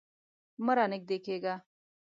مه رانږدې کیږه